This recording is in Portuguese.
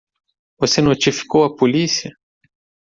Você notificou a polícia?